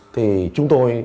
thì chúng tôi